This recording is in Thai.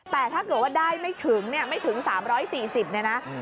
แต่ถ้าเกิดว่าได้ไม่ถึง๓๔๐เนี่ยนะ